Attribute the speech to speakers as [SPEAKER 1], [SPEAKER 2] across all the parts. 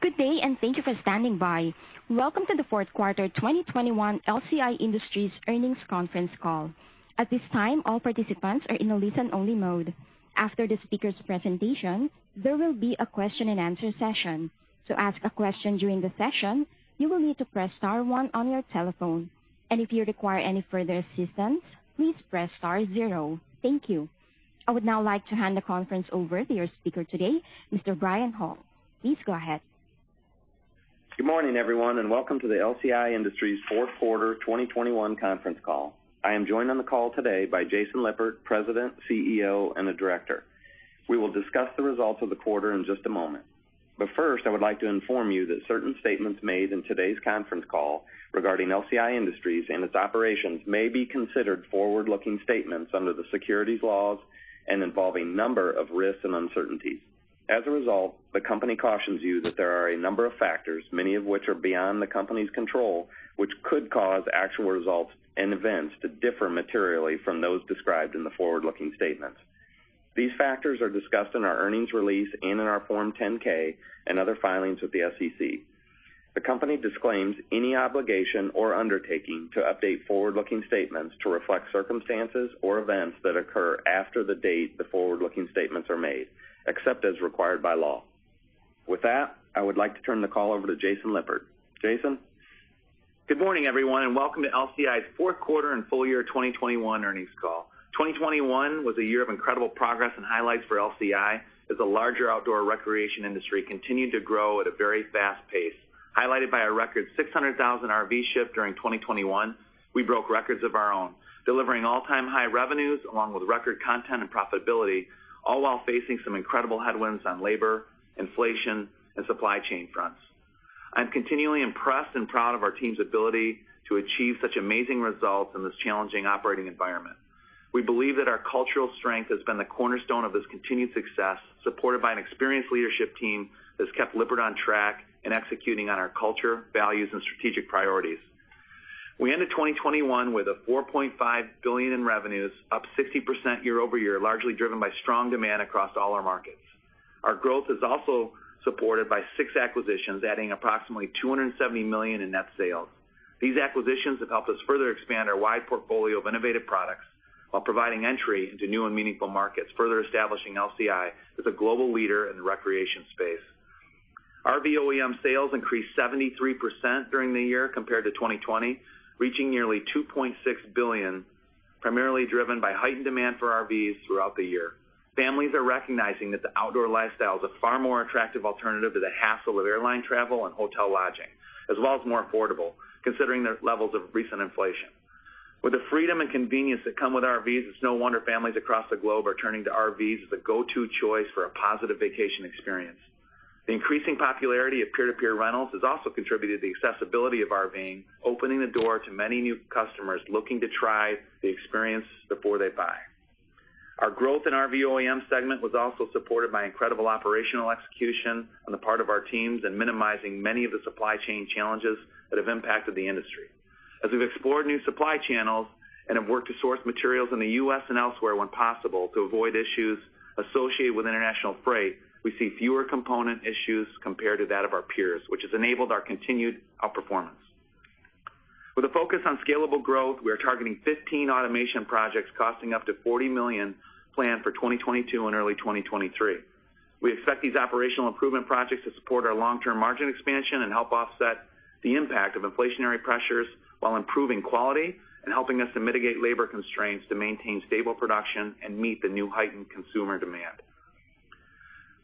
[SPEAKER 1] Good day, and thank you for standing by. Welcome to the fourth quarter 2021 LCI Industries Earnings Conference Call. At this time, all participants are in a listen-only mode. After the speaker's presentation, there will be a question-and-answer session. To ask a question during the session, you will need to press star one on your telephone. If you require any further assistance, please press star zero. Thank you. I would now like to hand the conference over to your speaker today, Mr. Brian Hall. Please go ahead.
[SPEAKER 2] Good morning, everyone, and welcome to the LCI Industries fourth quarter 2021 conference call. I am joined on the call today by Jason Lippert, President, CEO, and Director. We will discuss the results of the quarter in just a moment. First, I would like to inform you that certain statements made in today's conference call regarding LCI Industries and its operations may be considered forward-looking statements under the securities laws and involve a number of risks and uncertainties. As a result, the company cautions you that there are a number of factors, many of which are beyond the company's control, which could cause actual results and events to differ materially from those described in the forward-looking statements. These factors are discussed in our earnings release and in our Form 10-K and other filings with the SEC. The company disclaims any obligation or undertaking to update forward-looking statements to reflect circumstances or events that occur after the date the forward-looking statements are made, except as required by law. With that, I would like to turn the call over to Jason Lippert. Jason?
[SPEAKER 3] Good morning, everyone, and welcome to LCI's fourth quarter and full year 2021 earnings call. 2021 was a year of incredible progress and highlights for LCI as the larger outdoor recreation industry continued to grow at a very fast pace, highlighted by a record 600,000 RVs shipped during 2021. We broke records of our own, delivering all-time high revenues along with record content and profitability, all while facing some incredible headwinds on labor, inflation, and supply chain fronts. I'm continually impressed and proud of our team's ability to achieve such amazing results in this challenging operating environment. We believe that our cultural strength has been the cornerstone of this continued success, supported by an experienced leadership team that's kept Lippert on track in executing on our culture, values, and strategic priorities. We ended 2021 with $4.5 billion in revenues, up 60% year-over-year, largely driven by strong demand across all our markets. Our growth is also supported by six acquisitions, adding approximately $270 million in net sales. These acquisitions have helped us further expand our wide portfolio of innovative products while providing entry into new and meaningful markets, further establishing LCI as a global leader in the recreation space. RV OEM sales increased 73% during the year compared to 2020, reaching nearly $2.6 billion, primarily driven by heightened demand for RVs throughout the year. Families are recognizing that the outdoor lifestyle is a far more attractive alternative to the hassle of airline travel and hotel lodging, as well as more affordable, considering the levels of recent inflation. With the freedom and convenience that come with RVs, it's no wonder families across the globe are turning to RVs as a go-to choice for a positive vacation experience. The increasing popularity of peer-to-peer rentals has also contributed to the accessibility of RVing, opening the door to many new customers looking to try the experience before they buy. Our growth in RV OEM segment was also supported by incredible operational execution on the part of our teams and minimizing many of the supply chain challenges that have impacted the industry. As we've explored new supply channels and have worked to source materials in the U.S. and elsewhere when possible to avoid issues associated with international freight, we see fewer component issues compared to that of our peers, which has enabled our continued outperformance. With a focus on scalable growth, we are targeting 15 automation projects costing up to $40 million planned for 2022 and early 2023. We expect these operational improvement projects to support our long-term margin expansion and help offset the impact of inflationary pressures while improving quality and helping us to mitigate labor constraints to maintain stable production and meet the new heightened consumer demand.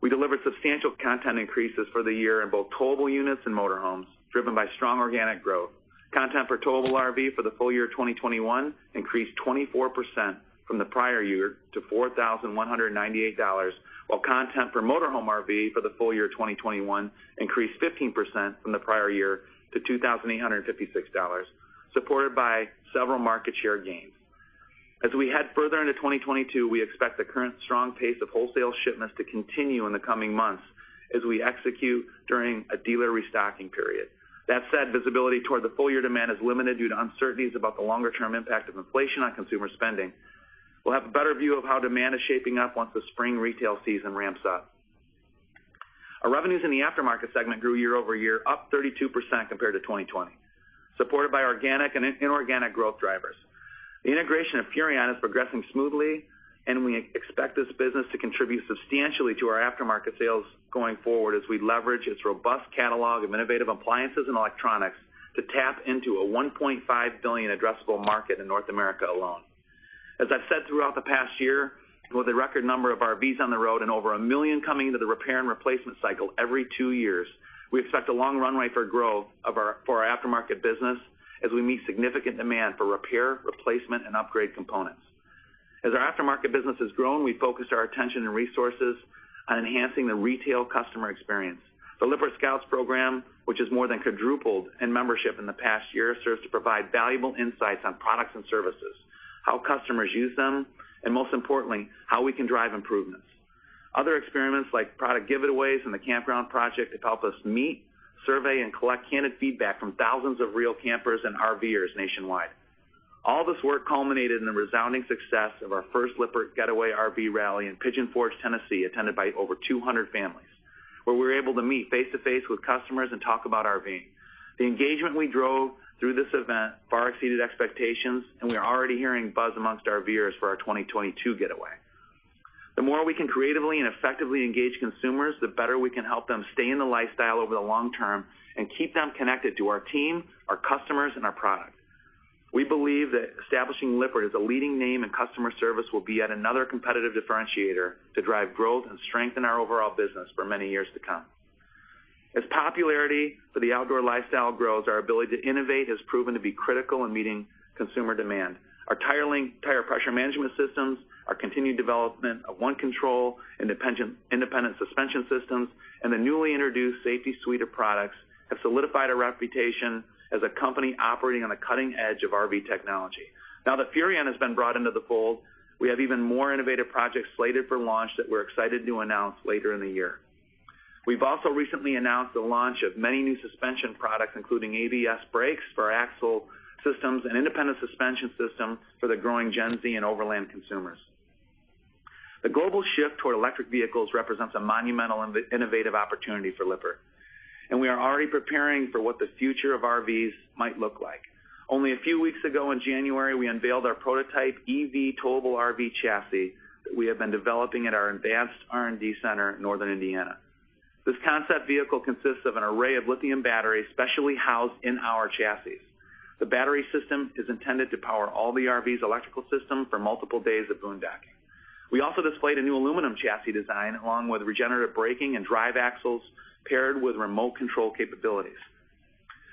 [SPEAKER 3] We delivered substantial content increases for the year in both towable units and motor homes, driven by strong organic growth. Content for towable RV for the full year 2021 increased 24% from the prior year to $4,198, while content for motor home RV for the full year 2021 increased 15% from the prior year to $2,856, supported by several market share gains. We head further into 2022. We expect the current strong pace of wholesale shipments to continue in the coming months as we execute during a dealer restocking period. Visibility toward the full year demand is limited due to uncertainties about the longer-term impact of inflation on consumer spending. We'll have a better view of how demand is shaping up once the spring retail season ramps up. Our revenues in the aftermarket segment grew year over year, up 32% compared to 2020, supported by organic and inorganic growth drivers. The integration of Furrion is progressing smoothly, and we expect this business to contribute substantially to our aftermarket sales going forward as we leverage its robust catalog of innovative appliances and electronics to tap into a $1.5 billion addressable market in North America alone. As I've said throughout the past year, with a record number of RVs on the road and over a million coming into the repair and replacement cycle every two years, we expect a long runway for growth of our aftermarket business as we meet significant demand for repair, replacement, and upgrade components. As our aftermarket business has grown, we focused our attention and resources on enhancing the retail customer experience. The Lippert Scouts program, which has more than quadrupled in membership in the past year, serves to provide valuable insights on products and services, how customers use them, and most importantly, how we can drive improvements. Other experiments like product giveaways and the campground project have helped us meet, survey, and collect candid feedback from thousands of real campers and RVers nationwide. All this work culminated in the resounding success of our first Lippert Getaway RV rally in Pigeon Forge, Tennessee, attended by over 200 families, where we were able to meet face-to-face with customers and talk about RVing. The engagement we drove through this event far exceeded expectations, and we are already hearing buzz amongst RVers for our 2022 getaway. The more we can creatively and effectively engage consumers, the better we can help them stay in the lifestyle over the long term and keep them connected to our team, our customers, and our product. We believe that establishing Lippert as a leading name in customer service will be yet another competitive differentiator to drive growth and strengthen our overall business for many years to come. As popularity for the outdoor lifestyle grows, our ability to innovate has proven to be critical in meeting consumer demand. Our Tire Linc tire pressure management systems, our continued development of OneControl independent suspension systems, and the newly introduced safety suite of products have solidified our reputation as a company operating on the cutting edge of RV technology. Now that Furrion has been brought into the fold, we have even more innovative projects slated for launch that we're excited to announce later in the year. We've also recently announced the launch of many new suspension products, including ABS brakes for axle systems and independent suspension systems for the growing Gen Z and overland consumers. The global shift toward electric vehicles represents a monumental and innovative opportunity for Lippert, and we are already preparing for what the future of RVs might look like. Only a few weeks ago in January, we unveiled our prototype EV towable RV chassis that we have been developing at our advanced R&D center in Northern Indiana. This concept vehicle consists of an array of lithium batteries specially housed in our chassis. The battery system is intended to power all the RV's electrical system for multiple days of boondocking. We also displayed a new aluminum chassis design along with regenerative braking and drive axles paired with remote control capabilities.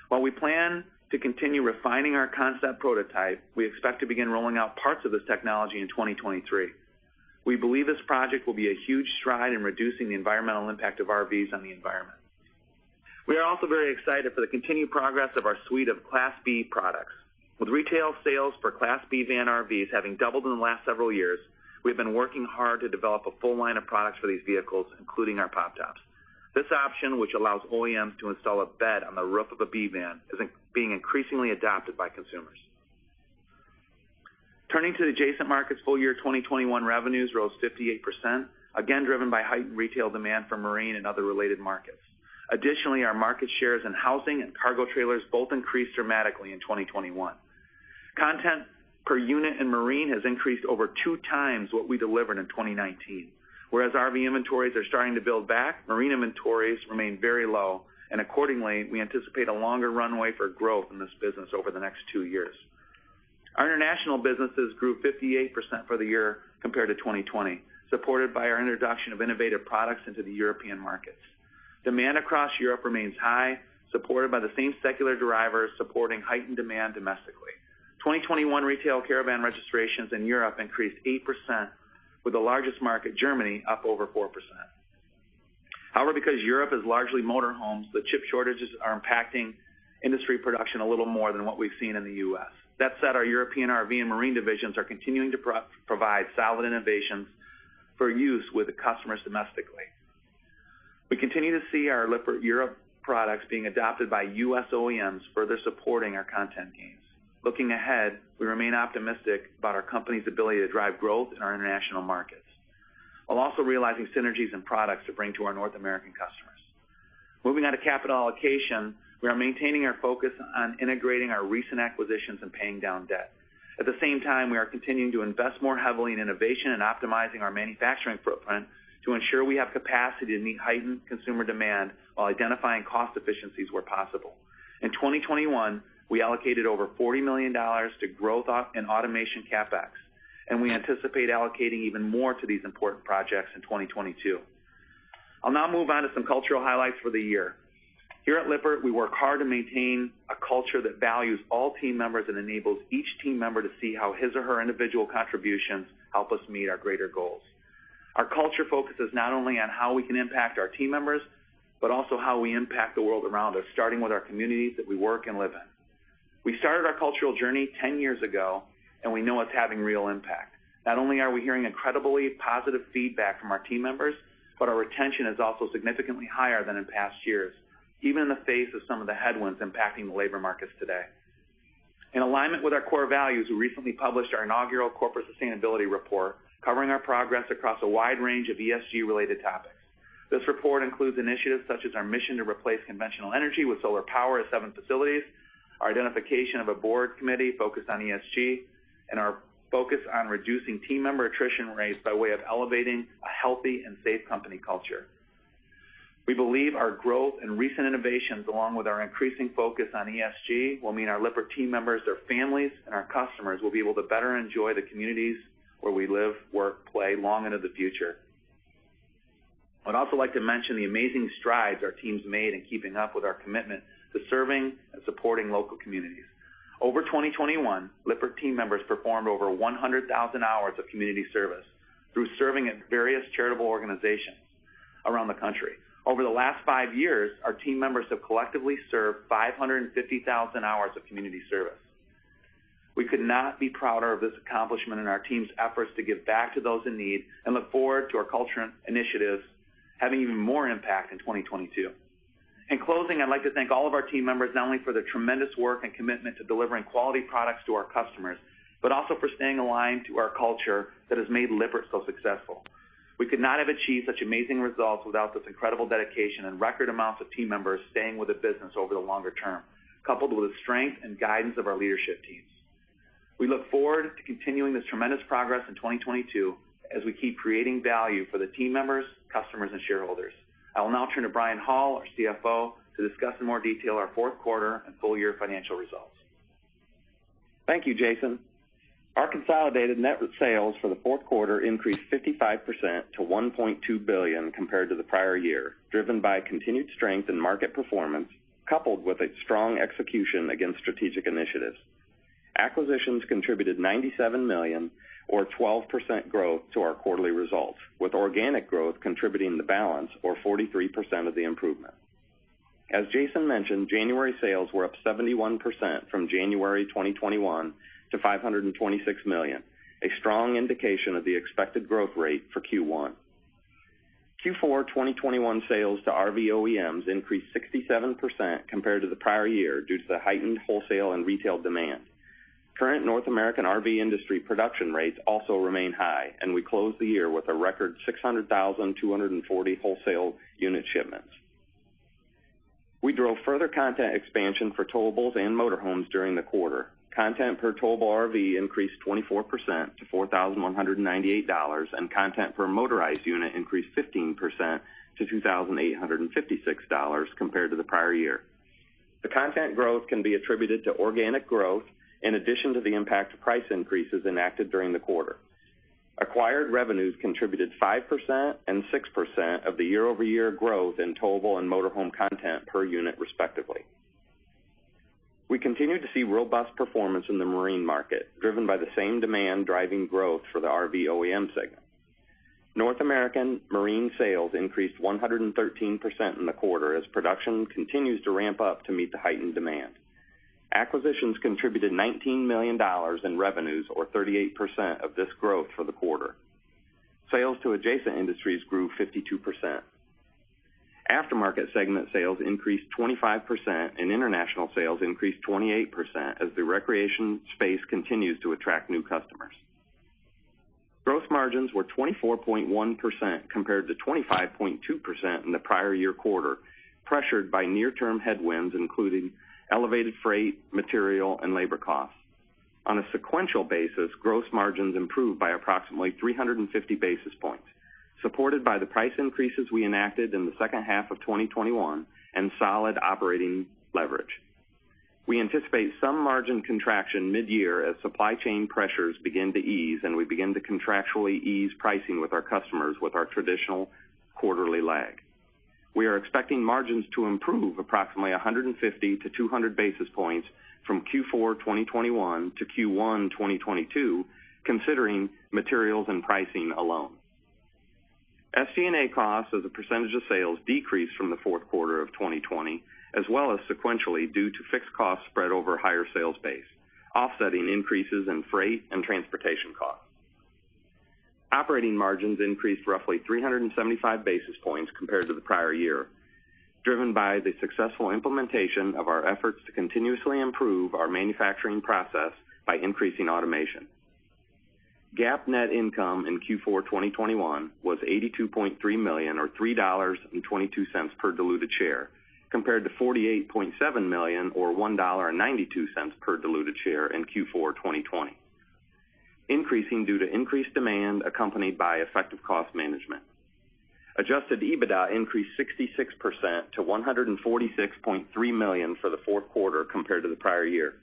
[SPEAKER 3] While we plan to continue refining our concept prototype, we expect to begin rolling out parts of this technology in 2023. We believe this project will be a huge stride in reducing the environmental impact of RVs on the environment. We are also very excited for the continued progress of our suite of Class B products. With retail sales for Class B van RVs having doubled in the last several years, we've been working hard to develop a full line of products for these vehicles, including our pop tops. This option, which allows OEMs to install a bed on the roof of a B van, is being increasingly adopted by consumers. Turning to Adjacent Markets, full year 2021 revenues rose 58%, again driven by heightened retail demand for marine and other related markets. Additionally, our market shares in housing and cargo trailers both increased dramatically in 2021. Content per unit in marine has increased over two times what we delivered in 2019. Whereas RV inventories are starting to build back, marine inventories remain very low, and accordingly, we anticipate a longer runway for growth in this business over the next two years. Our international businesses grew 58% for the year compared to 2020, supported by our introduction of innovative products into the European markets. Demand across Europe remains high, supported by the same secular drivers supporting heightened demand domestically. 2021 retail caravan registrations in Europe increased 8%, with the largest market, Germany, up over 4%. However, because Europe is largely motor homes, the chip shortages are impacting industry production a little more than what we've seen in the U.S. That said, our European RV and marine divisions are continuing to provide solid innovations for use with the customers domestically. We continue to see our Lippert Europe products being adopted by U.S. OEMs, further supporting our content gains. Looking ahead, we remain optimistic about our company's ability to drive growth in our international markets, while also realizing synergies and products to bring to our North American customers. Moving on to capital allocation, we are maintaining our focus on integrating our recent acquisitions and paying down debt. At the same time, we are continuing to invest more heavily in innovation and optimizing our manufacturing footprint to ensure we have capacity to meet heightened consumer demand while identifying cost efficiencies where possible. In 2021, we allocated over $40 million to growth, OpEx, and automation CapEx, and we anticipate allocating even more to these important projects in 2022. I'll now move on to some cultural highlights for the year. Here at Lippert, we work hard to maintain a culture that values all team members and enables each team member to see how his or her individual contributions help us meet our greater goals. Our culture focuses not only on how we can impact our team members, but also how we impact the world around us, starting with our communities that we work and live in. We started our cultural journey ten years ago, and we know it's having real impact. Not only are we hearing incredibly positive feedback from our team members, but our retention is also significantly higher than in past years, even in the face of some of the headwinds impacting the labor markets today. In alignment with our core values, we recently published our inaugural corporate sustainability report, covering our progress across a wide range of ESG-related topics. This report includes initiatives such as our mission to replace conventional energy with solar power at seven facilities, our identification of a board committee focused on ESG, and our focus on reducing team member attrition rates by way of elevating a healthy and safe company culture. We believe our growth and recent innovations, along with our increasing focus on ESG, will mean our Lippert team members, their families, and our customers will be able to better enjoy the communities where we live, work, play long into the future. I'd also like to mention the amazing strides our team's made in keeping up with our commitment to serving and supporting local communities. In 2021, Lippert team members performed over 100,000 hours of community service through serving at various charitable organizations around the country. Over the last five years, our team members have collectively served 550,000 hours of community service. We could not be prouder of this accomplishment and our team's efforts to give back to those in need and look forward to our culture initiatives having even more impact in 2022. In closing, I'd like to thank all of our team members not only for their tremendous work and commitment to delivering quality products to our customers, but also for staying aligned to our culture that has made Lippert so successful. We could not have achieved such amazing results without this incredible dedication and record amounts of team members staying with the business over the longer term, coupled with the strength and guidance of our leadership team. We look forward to continuing this tremendous progress in 2022 as we keep creating value for the team members, customers and shareholders. I will now turn to Brian Hall, our CFO, to discuss in more detail our fourth quarter and full year financial results.
[SPEAKER 2] Thank you, Jason. Our consolidated net sales for the fourth quarter increased 55% to $1.2 billion compared to the prior year, driven by continued strength in market performance coupled with a strong execution against strategic initiatives. Acquisitions contributed $97 million or 12% growth to our quarterly results, with organic growth contributing the balance or 43% of the improvement. As Jason mentioned, January sales were up 71% from January 2021 to $526 million, a strong indication of the expected growth rate for Q1. Q4 2021 sales to RV OEMs increased 67% compared to the prior year due to the heightened wholesale and retail demand. Current North American RV industry production rates also remain high, and we closed the year with a record 600,240 wholesale unit shipments. We drove further content expansion for towables and motor homes during the quarter. Content per towable RV increased 24% to $4,198, and content per motorized unit increased 15% to $2,856 compared to the prior year. The content growth can be attributed to organic growth in addition to the impact of price increases enacted during the quarter. Acquired revenues contributed 5% and 6% of the year-over-year growth in towable and motor home content per unit, respectively. We continue to see robust performance in the marine market, driven by the same demand driving growth for the RV OEM segment. North American marine sales increased 113% in the quarter as production continues to ramp up to meet the heightened demand. Acquisitions contributed $19 million in revenues or 38% of this growth for the quarter. Sales to adjacent industries grew 52%. Aftermarket segment sales increased 25%, and international sales increased 28% as the recreation space continues to attract new customers. Gross margins were 24.1% compared to 25.2% in the prior year quarter, pressured by near-term headwinds, including elevated freight, material and labor costs. On a sequential basis, gross margins improved by approximately 350 basis points, supported by the price increases we enacted in the second half of 2021 and solid operating leverage. We anticipate some margin contraction mid-year as supply chain pressures begin to ease and we begin to contractually ease pricing with our customers with our traditional quarterly lag. We are expecting margins to improve approximately 150-200 basis points from Q4 2021 to Q1 2022, considering materials and pricing alone. FC&A costs as a percentage of sales decreased from the fourth quarter of 2020, as well as sequentially due to fixed costs spread over higher sales base, offsetting increases in freight and transportation costs. Operating margins increased roughly 375 basis points compared to the prior year, driven by the successful implementation of our efforts to continuously improve our manufacturing process by increasing automation. GAAP net income in Q4 2021 was $82.3 million or $3.22 per diluted share, compared to $48.7 million or $1.92 per diluted share in Q4 2020, increasing due to increased demand accompanied by effective cost management. Adjusted EBITDA increased 66% to $146.3 million for the fourth quarter compared to the prior year.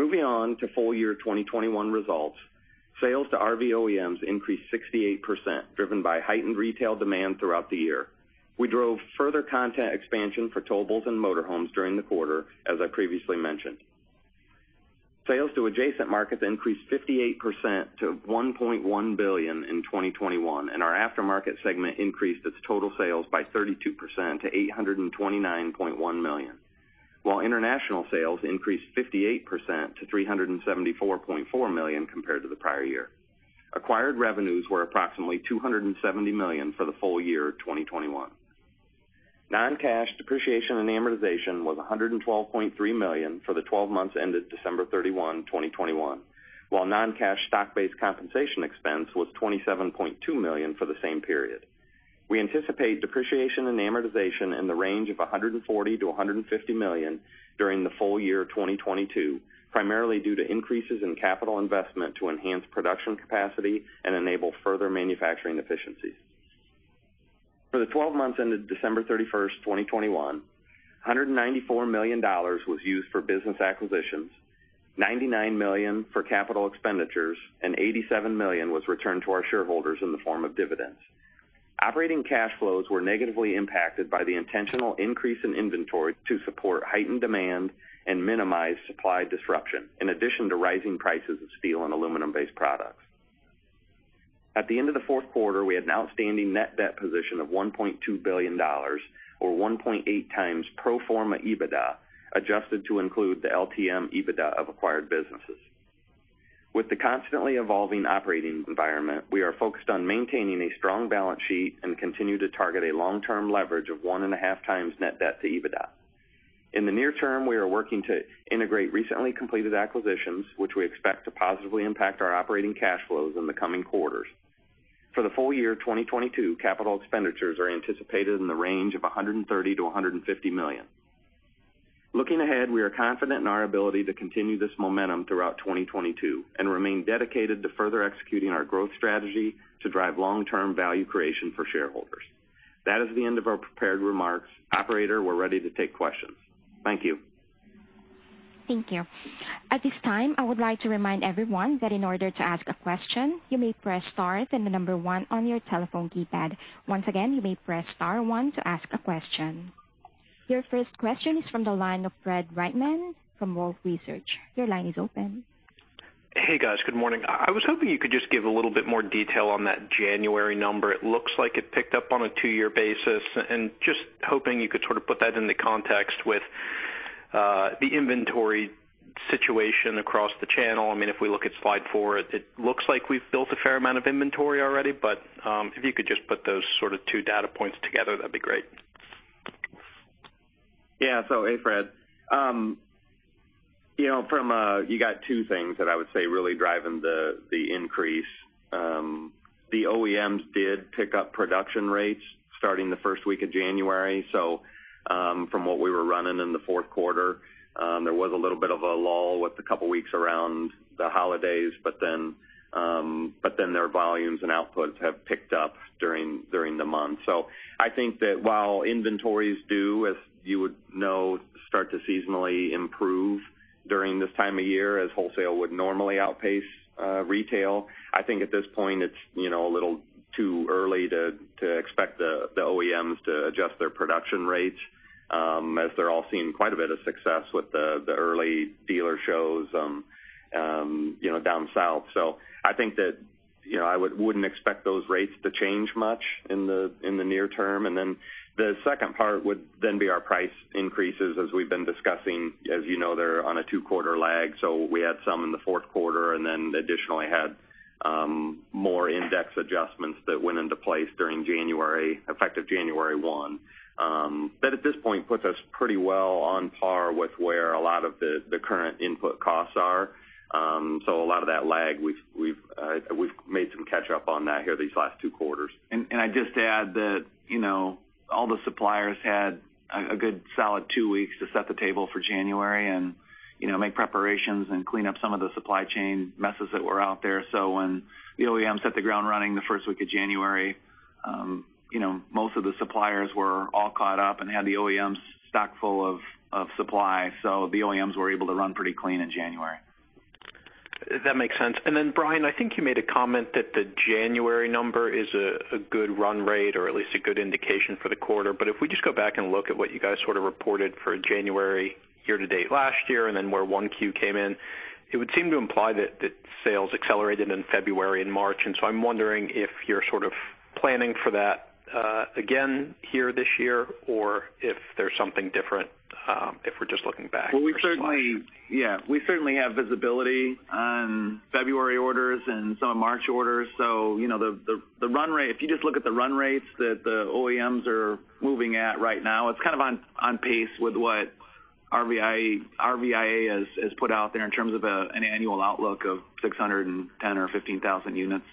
[SPEAKER 2] Moving on to full year 2021 results, sales to RV OEMs increased 68%, driven by heightened retail demand throughout the year. We drove further content expansion for towables and motor homes during the quarter, as I previously mentioned. Sales to adjacent markets increased 58% to $1.1 billion in 2021, and our aftermarket segment increased its total sales by 32% to $829.1 million, while international sales increased 58% to $374.4 million compared to the prior year. Acquired revenues were approximately $270 million for the full year 2021. Non-cash depreciation and amortization was $112.3 million for the twelve months ended December 31, 2021, while non-cash stock-based compensation expense was $27.2 million for the same period. We anticipate depreciation and amortization in the range of $140 million-$150 million during the full year 2022, primarily due to increases in capital investment to enhance production capacity and enable further manufacturing efficiencies. For the twelve months ended December 31, 2021, $194 million was used for business acquisitions, $99 million for capital expenditures, and $87 million was returned to our shareholders in the form of dividends. Operating cash flows were negatively impacted by the intentional increase in inventory to support heightened demand and minimize supply disruption, in addition to rising prices of steel and aluminum-based products. At the end of the fourth quarter, we had an outstanding net debt position of $1.2 billion or 1.8x pro forma EBITDA, adjusted to include the LTM EBITDA of acquired businesses. With the constantly evolving operating environment, we are focused on maintaining a strong balance sheet and continue to target a long-term leverage of 1.5x net debt to EBITDA. In the near term, we are working to integrate recently completed acquisitions, which we expect to positively impact our operating cash flows in the coming quarters. For the full year 2022, capital expenditures are anticipated in the range of $130 million-$150 million. Looking ahead, we are confident in our ability to continue this momentum throughout 2022 and remain dedicated to further executing our growth strategy to drive long-term value creation for shareholders. That is the end of our prepared remarks. Operator, we're ready to take questions. Thank you.
[SPEAKER 1] Thank you. At this time, I would like to remind everyone that in order to ask a question, you may press star, then the number one on your telephone keypad. Once again, you may press star one to ask a question. Your first question is from the line of Fred Wightman from Wolfe Research. Your line is open.
[SPEAKER 4] Hey, guys. Good morning. I was hoping you could just give a little bit more detail on that January number. It looks like it picked up on a two-year basis, and just hoping you could sort of put that into context with the inventory situation across the channel. I mean, if we look at slide four, it looks like we've built a fair amount of inventory already, but if you could just put those sort of two data points together, that'd be great.
[SPEAKER 2] Hey, Fred. You know, you got two things that I would say really driving the increase. The OEMs did pick up production rates starting the first week of January. From what we were running in the fourth quarter, there was a little bit of a lull with the couple weeks around the holidays, but then their volumes and outputs have picked up during the month. I think that while inventories do, as you would know, start to seasonally improve during this time of year as wholesale would normally outpace retail, I think at this point it's you know a little too early to expect the OEMs to adjust their production rates, as they're all seeing quite a bit of success with the early dealer shows you know down south. I think that you know I wouldn't expect those rates to change much in the near term. The second part would then be our price increases, as we've been discussing. As you know, they're on a two-quarter lag. We had some in the fourth quarter and then additionally had more index adjustments that went into place during January, effective January 1. That at this point puts us pretty well on par with where a lot of the current input costs are. A lot of that lag, we've made some catch up on that here these last two quarters.
[SPEAKER 3] I'd just add that, you know, all the suppliers had a good solid two weeks to set the table for January and, you know, make preparations and clean up some of the supply chain messes that were out there. When the OEMs hit the ground running the first week of January, you know, most of the suppliers were all caught up and had the OEMs fully stocked with supply. The OEMs were able to run pretty clean in January.
[SPEAKER 4] That makes sense. Brian, I think you made a comment that the January number is a good run rate or at least a good indication for the quarter. If we just go back and look at what you guys sort of reported for January year to date last year, and then where 1Q came in, it would seem to imply that sales accelerated in February and March. I'm wondering if you're sort of planning for that again here this year or if there's something different, if we're just looking back.
[SPEAKER 3] We certainly have visibility on February orders and some March orders. You know, the run rate, if you just look at the run rates that the OEMs are moving at right now, it's kind of on pace with what RVIA has put out there in terms of an annual outlook of 610,000 or 650,000 units.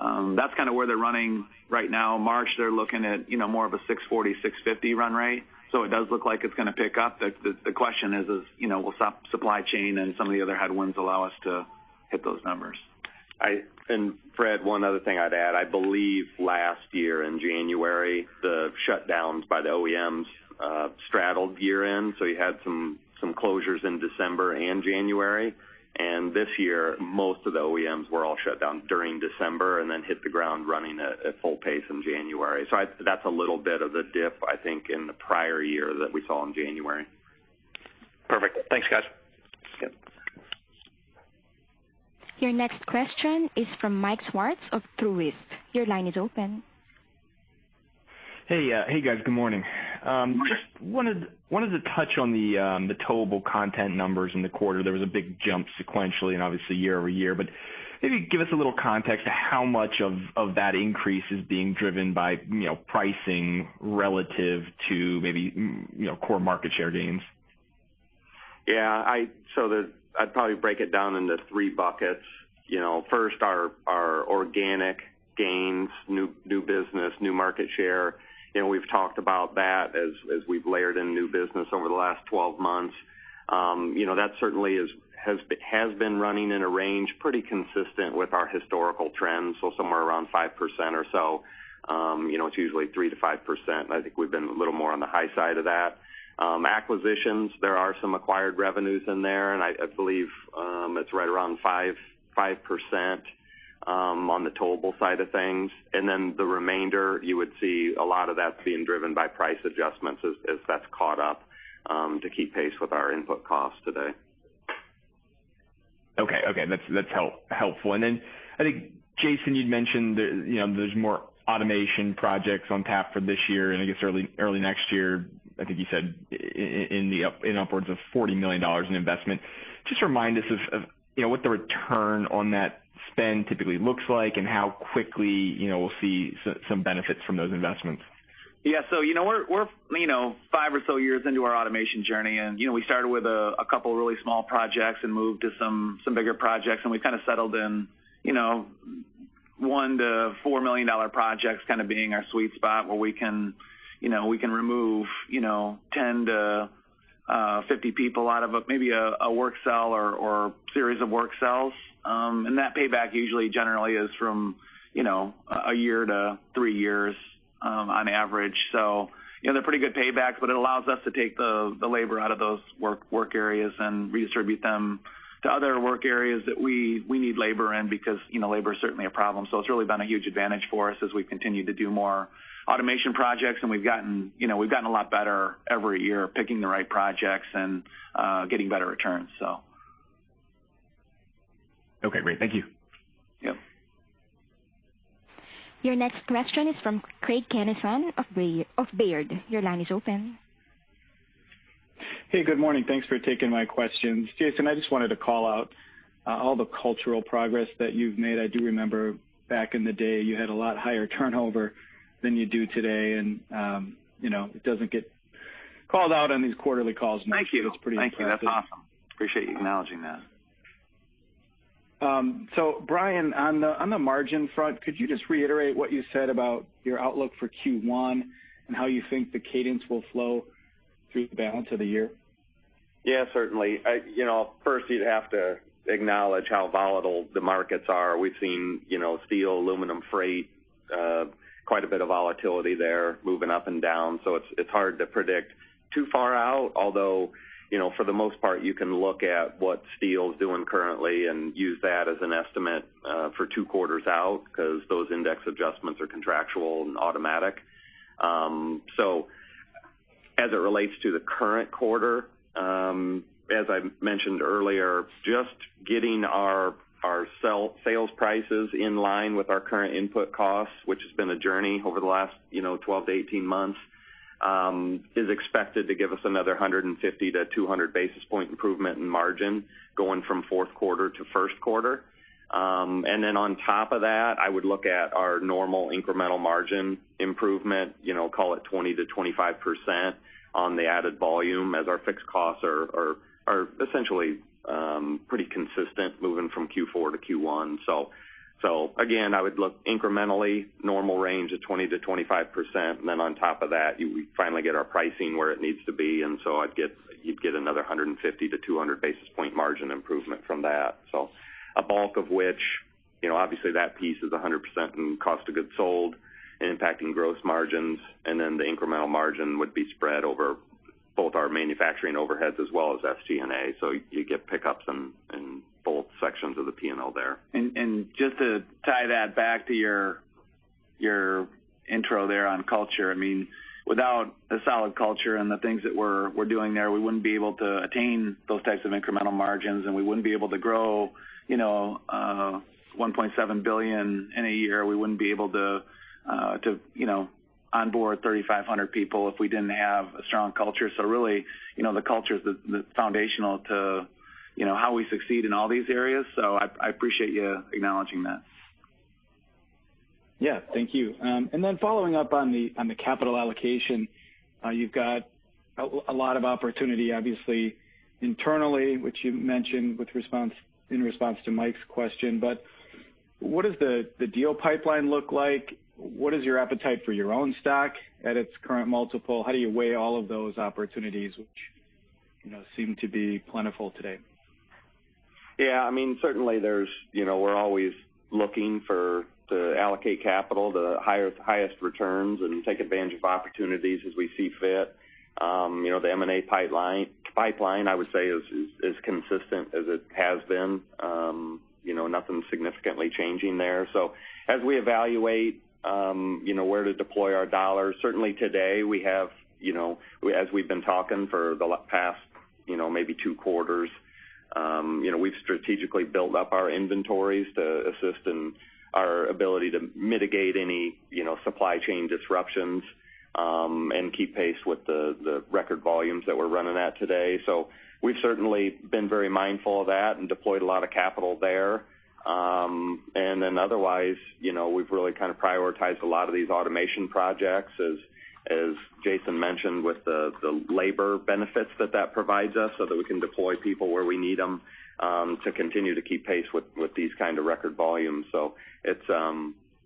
[SPEAKER 3] That's kind of where they're running right now. March, they're looking at, you know, more of a 640, 650 run rate, so it does look like it's gonna pick up. The question is, you know, will supply chain and some of the other headwinds allow us to hit those numbers.
[SPEAKER 2] Fred, one other thing I'd add, I believe last year in January, the shutdowns by the OEMs straddled year-end, so you had some closures in December and January. This year, most of the OEMs were all shut down during December and then hit the ground running at full pace in January. That's a little bit of the dip, I think, in the prior year that we saw in January.
[SPEAKER 4] Perfect. Thanks, guys.
[SPEAKER 2] Yep.
[SPEAKER 1] Your next question is from Michael Swartz of Truist. Your line is open.
[SPEAKER 5] Hey, hey, guys. Good morning. Just wanted to touch on the towable content numbers in the quarter. There was a big jump sequentially and obviously year over year, but maybe give us a little context to how much of that increase is being driven by, you know, pricing relative to maybe you know, core market share gains.
[SPEAKER 2] I'd probably break it down into three buckets. You know, first, our organic gains, new business, new market share. You know, we've talked about that as we've layered in new business over the last 12 months. You know, that certainly has been running in a range pretty consistent with our historical trends, so somewhere around 5% or so. You know, it's usually 3%-5%. I think we've been a little more on the high side of that. Acquisitions, there are some acquired revenues in there, and I believe it's right around 5% on the towable side of things. The remainder, you would see a lot of that being driven by price adjustments as that's caught up to keep pace with our input costs today.
[SPEAKER 5] Okay. That's helpful. I think, Jason, you'd mentioned there, you know, there's more automation projects on tap for this year and I guess early next year. I think you said in upwards of $40 million in investment. Just remind us of, you know, what the return on that Spend typically looks like and how quickly, you know, we'll see some benefits from those investments.
[SPEAKER 3] Yeah. You know, we're you know, five or so years into our automation journey, and you know, we started with a couple of really small projects and moved to some bigger projects, and we kind of settled in you know, $1 million-$4 million projects kind of being our sweet spot where we can you know, we can remove you know, 10-50 people out of maybe a work cell or series of work cells. That payback usually generally is from you know, one-three years on average. You know, they're pretty good payback, but it allows us to take the labor out of those work areas and redistribute them to other work areas that we need labor in because you know, labor is certainly a problem. It's really been a huge advantage for us as we continue to do more automation projects, and we've gotten, you know, a lot better every year, picking the right projects and getting better returns, so.
[SPEAKER 5] Okay, great. Thank you.
[SPEAKER 3] Yep.
[SPEAKER 1] Your next question is from Craig Kennison of Baird. Your line is open.
[SPEAKER 6] Hey, good morning. Thanks for taking my questions. Jason, I just wanted to call out all the cultural progress that you've made. I do remember back in the day, you had a lot higher turnover than you do today, and you know, it doesn't get called out on these quarterly calls much.
[SPEAKER 3] Thank you.
[SPEAKER 6] It's pretty impressive.
[SPEAKER 3] Thank you. That's awesome. Appreciate you acknowledging that.
[SPEAKER 6] Brian, on the margin front, could you just reiterate what you said about your outlook for Q1 and how you think the cadence will flow through the balance of the year?
[SPEAKER 2] Yeah, certainly. I, you know, first you'd have to acknowledge how volatile the markets are. We've seen, you know, steel, aluminum, freight, quite a bit of volatility there moving up and down. It's hard to predict too far out, although, you know, for the most part, you can look at what steel is doing currently and use that as an estimate for two quarters out because those index adjustments are contractual and automatic. As it relates to the current quarter, as I mentioned earlier, just getting our sales prices in line with our current input costs, which has been a journey over the last, you know, 12-18 months, is expected to give us another 150-200 basis point improvement in margin going from fourth quarter to first quarter. I would look at our normal incremental margin improvement, you know, call it 20%-25% on the added volume as our fixed costs are essentially pretty consistent moving from Q4-Q1. So again, I would look incrementally normal range of 20%-25%, and then on top of that, we finally get our pricing where it needs to be, and so you'd get another 150-200 basis points margin improvement from that. A bulk of which, you know, obviously that piece is 100% in cost of goods sold, impacting gross margins, and then the incremental margin would be spread over both our manufacturing overheads as well as FC&A. You get pickups in both sections of the P&L there.
[SPEAKER 3] Just to tie that back to your intro there on culture, I mean, without a solid culture and the things that we're doing there, we wouldn't be able to attain those types of incremental margins, and we wouldn't be able to grow, you know, $1.7 billion in a year. We wouldn't be able to onboard 3,500 people if we didn't have a strong culture. Really, you know, the culture is the foundational to, you know, how we succeed in all these areas. I appreciate you acknowledging that.
[SPEAKER 6] Yeah. Thank you. Following up on the capital allocation, you've got a lot of opportunity, obviously internally, which you mentioned in response to Mike's question. What does the deal pipeline look like? What is your appetite for your own stock at its current multiple? How do you weigh all of those opportunities which, you know, seem to be plentiful today?
[SPEAKER 2] Yeah, I mean, certainly there's, you know, we're always looking to allocate capital, the highest returns and take advantage of opportunities as we see fit. You know, the M&A pipeline, I would say, is consistent as it has been. You know, nothing significantly changing there. As we evaluate where to deploy our dollars, certainly today we have, you know, as we've been talking for the past, you know, maybe two quarters, you know, we've strategically built up our inventories to assist in our ability to mitigate any, you know, supply chain disruptions, and keep pace with the record volumes that we're running at today. We've certainly been very mindful of that and deployed a lot of capital there. otherwise, you know, we've really kind of prioritized a lot of these automation projects, as Jason mentioned, with the labor benefits that provides us so that we can deploy people where we need them, to continue to keep pace with these kind of record volumes.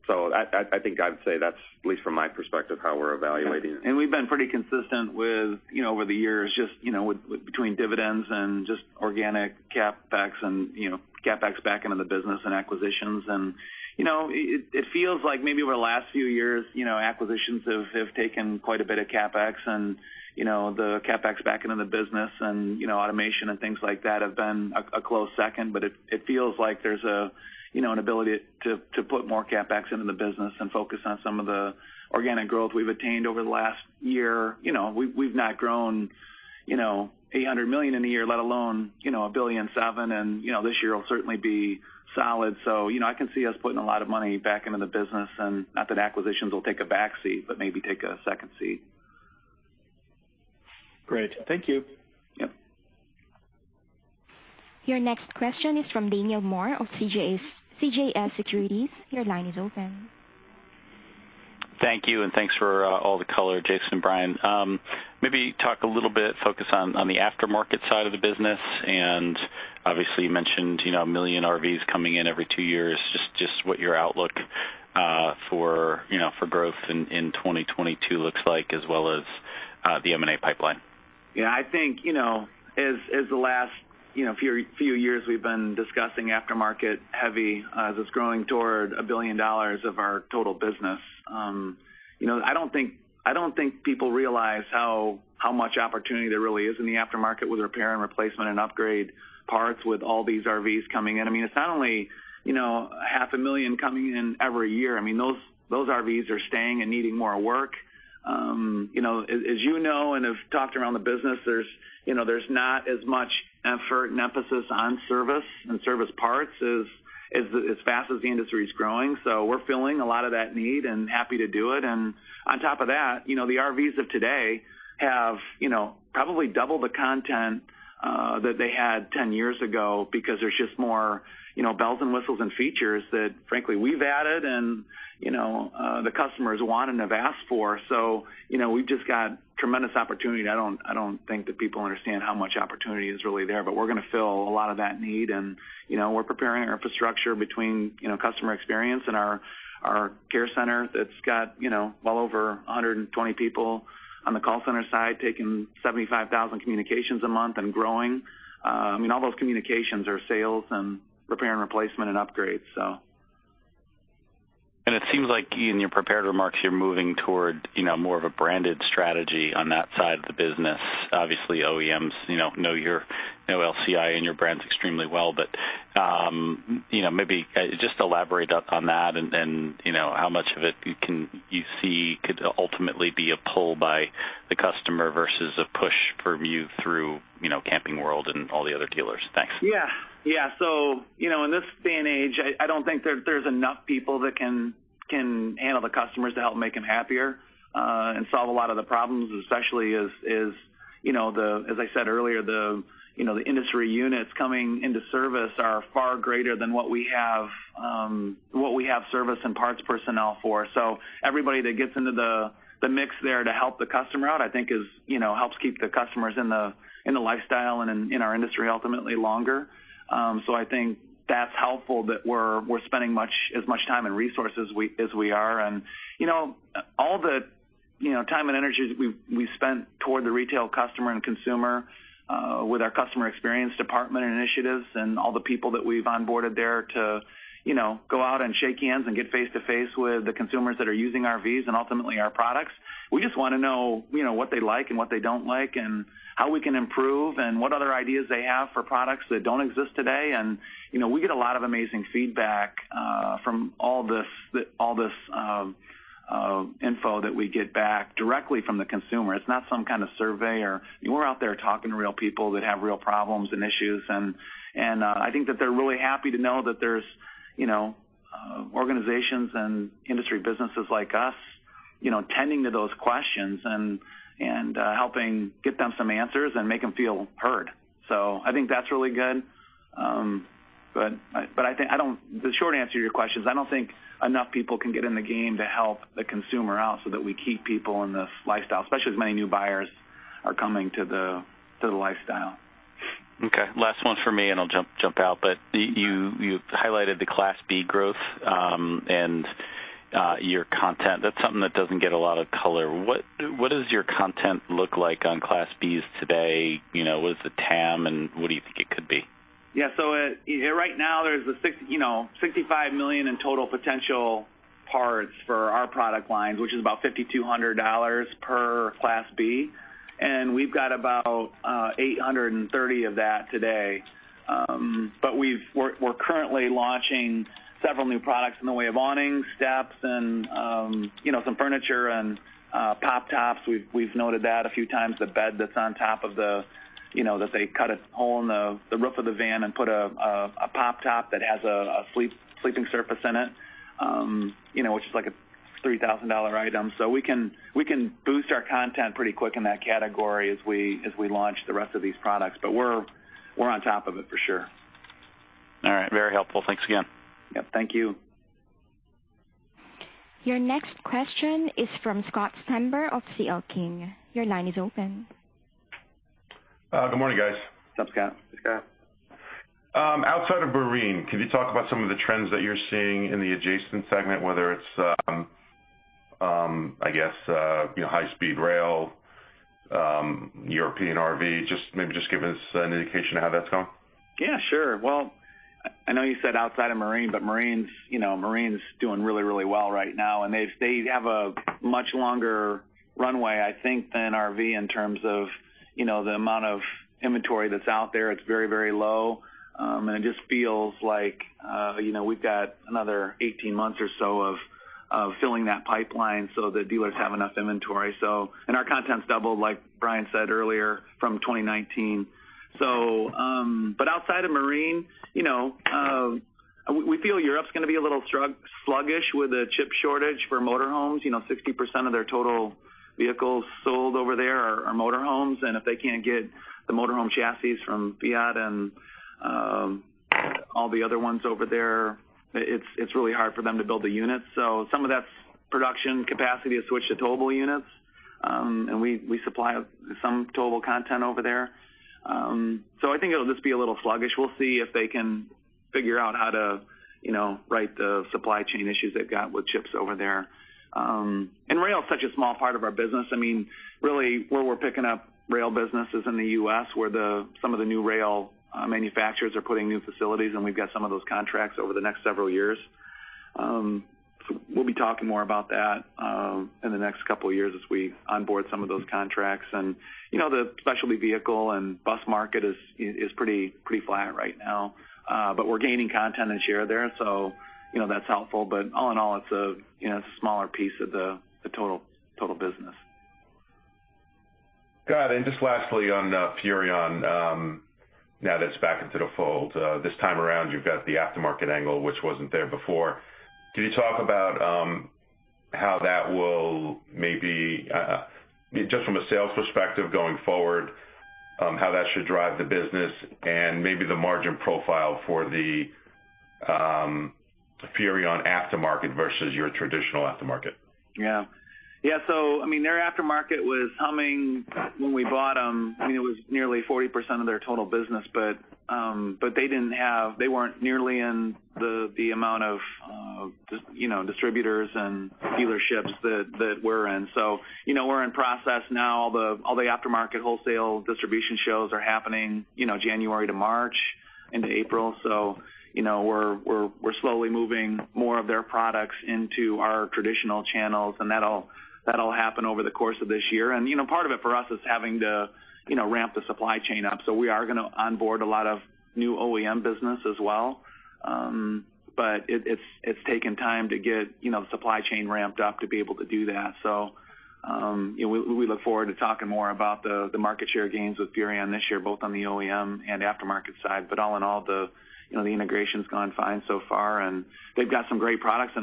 [SPEAKER 2] I think I'd say that's, at least from my perspective, how we're evaluating it.
[SPEAKER 3] We've been pretty consistent with, you know, over the years, just, you know, with between dividends and just organic CapEx and, you know, CapEx back into the business and acquisitions. You know, it feels like maybe over the last few years, you know, acquisitions have taken quite a bit of CapEx and, you know, the CapEx back into the business and, you know, automation and things like that have been a close second. It feels like there's a, you know, an ability to put more CapEx into the business and focus on some of the organic growth we've attained over the last year. You know, we've not grown, you know, $800 million in a year, let alone, you know, $1.7 billion, and, you know, this year will certainly be solid. You know, I can see us putting a lot of money back into the business, and not that acquisitions will take a back seat, but maybe take a second seat.
[SPEAKER 6] Great. Thank you.
[SPEAKER 3] Yep.
[SPEAKER 1] Your next question is from Daniel Moore of CJS Securities. Your line is open.
[SPEAKER 7] Thank you, and thanks for all the color, Jason and Brian. Maybe talk a little bit, focus on the aftermarket side of the business, and obviously you mentioned, you know, a million RVs coming in every two years. Just what your outlook for growth in 2022 looks like as well as the M&A pipeline.
[SPEAKER 3] Yeah, I think, you know, as the last few years we've been discussing aftermarket heavy, as it's growing toward $1 billion of our total business. You know, I don't think people realize how much opportunity there really is in the aftermarket with repair and replacement and upgrade parts with all these RVs coming in. I mean, it's not only, you know, half a million coming in every year. I mean, those RVs are staying and needing more work. You know, as you know and have talked around the business, there's not as much effort and emphasis on service and service parts as fast as the industry's growing. We're filling a lot of that need and happy to do it. On top of that, you know, the RVs of today have, you know, probably double the content that they had 10 years ago because there's just more, you know, bells and whistles and features that frankly we've added and, you know, the customers wanted and have asked for. You know, we've just got tremendous opportunity. I don't think that people understand how much opportunity is really there. We're gonna fill a lot of that need and, you know, we're preparing our infrastructure between, you know, customer experience and our care center that's got, you know, well over 120 people on the call center side taking 75,000 communications a month and growing. I mean, all those communications are sales and repair and replacement and upgrades.
[SPEAKER 7] It seems like in your prepared remarks you're moving toward, you know, more of a branded strategy on that side of the business. Obviously, OEMs, you know LCI and your brands extremely well. But you know, maybe just elaborate on that and then, you know, how much of it you see could ultimately be a pull by the customer versus a push from you through, you know, Camping World and all the other dealers. Thanks.
[SPEAKER 3] You know, in this day and age, I don't think there's enough people that can handle the customers to help make them happier and solve a lot of the problems, especially as you know, as I said earlier, the industry units coming into service are far greater than what we have service and parts personnel for. Everybody that gets into the mix there to help the customer out, I think, you know, helps keep the customers in the lifestyle and in our industry ultimately longer. I think that's helpful that we're spending as much time and resources as we are. You know, all the time and energy we've spent toward the retail customer and consumer with our customer experience department initiatives and all the people that we've onboarded there to, you know, go out and shake hands and get face to face with the consumers that are using our RVs and ultimately our products. We just wanna know, you know, what they like and what they don't like and how we can improve and what other ideas they have for products that don't exist today. You know, we get a lot of amazing feedback from all this info that we get back directly from the consumer. It's not some kind of survey. We're out there talking to real people that have real problems and issues. I think that they're really happy to know that there's you know organizations and industry businesses like us you know tending to those questions and helping get them some answers and make them feel heard. I think that's really good. The short answer to your question is I don't think enough people can get in the game to help the consumer out so that we keep people in this lifestyle, especially as many new buyers are coming to the lifestyle.
[SPEAKER 7] Okay. Last one for me, and I'll jump out. You highlighted the Class B growth, and your content. That's something that doesn't get a lot of color. What does your content look like on Class Bs today? You know, what is the TAM, and what do you think it could be?
[SPEAKER 3] Yeah. Right now there's $65 million in total potential parts for our product lines, which is about $5,200 per Class B. We've got about $830 of that today. We're currently launching several new products in the way of awnings, steps, and you know, some furniture and pop tops. We've noted that a few times, the bed that's on top of the you know, that they cut a hole in the roof of the van and put a pop top that has a sleeping surface in it, you know, which is like a $3,000 item. We can boost our content pretty quick in that category as we launch the rest of these products. We're on top of it for sure.
[SPEAKER 7] All right. Very helpful. Thanks again.
[SPEAKER 3] Yep. Thank you.
[SPEAKER 1] Your next question is from Scott Stember of C.L. King. Your line is open.
[SPEAKER 8] Good morning, guys.
[SPEAKER 2] What's up, Scott? Hey, Scott.
[SPEAKER 8] Outside of marine, can you talk about some of the trends that you're seeing in the adjacent segment, whether it's, I guess, you know, high-speed rail, European RV? Just, maybe just give us an indication of how that's going.
[SPEAKER 3] Yeah, sure. Well, I know you said outside of marine, but marine's, you know, doing really, really well right now. They have a much longer runway, I think, than RV in terms of, you know, the amount of inventory that's out there. It's very, very low. It just feels like, you know, we've got another 18 months or so of filling that pipeline so the dealers have enough inventory. Our content's doubled, like Brian said earlier, from 2019. But outside of marine, you know, we feel Europe's gonna be a little sluggish with the chip shortage for motor homes. You know, 60% of their total vehicles sold over there are motor homes. If they can't get the motor home chassis from Fiat and all the other ones over there, it's really hard for them to build the units. Some of that production capacity has switched to towable units, and we supply some towable content over there. I think it'll just be a little sluggish. We'll see if they can figure out how to, you know, right the supply chain issues they've got with chips over there. Rail is such a small part of our business. I mean, really where we're picking up rail business is in the U.S. where some of the new rail manufacturers are putting new facilities, and we've got some of those contracts over the next several years. We'll be talking more about that in the next couple of years as we onboard some of those contracts. You know, the specialty vehicle and bus market is pretty flat right now. We're gaining content and share there, so you know, that's helpful. All in all, it's a smaller piece of the total business.
[SPEAKER 8] Got it. Just lastly on Furrion, now that it's back into the fold, this time around, you've got the aftermarket angle, which wasn't there before. Can you talk about how that will maybe just from a sales perspective going forward how that should drive the business and maybe the margin profile for the Furrion aftermarket versus your traditional aftermarket?
[SPEAKER 3] Yeah. Yeah, so I mean, their aftermarket was humming when we bought them. I mean, it was nearly 40% of their total business, but they didn't have – they weren't nearly in the amount of, you know, distributors and dealerships that we're in. So, you know, we're in process now. All the aftermarket wholesale distribution shows are happening, you know, January to March into April. So, you know, we're slowly moving more of their products into our traditional channels, and that'll happen over the course of this year. You know, part of it for us is having to, you know, ramp the supply chain up. So we are gonna onboard a lot of new OEM business as well. But it's taken time to get, you know, the supply chain ramped up to be able to do that. You know, we look forward to talking more about the market share gains with Furrion this year, both on the OEM and aftermarket side. All in all, you know, the integration's gone fine so far, and they've got some great products.